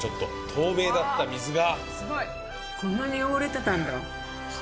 透明だった水が。